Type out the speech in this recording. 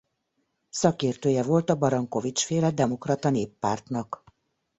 Szakértője volt a Barankovics-féle Demokrata Néppártnak.